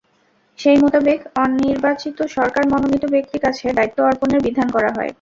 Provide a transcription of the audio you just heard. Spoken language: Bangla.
সেই মোতাবেক অনির্বাচিত সরকার মনোনীত ব্যক্তির কাছে দায়িত্ব অর্পণের বিধান করা হয়।